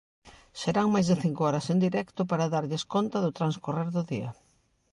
Serán máis de cinco horas en directo para darlles conta do transcorrer do día.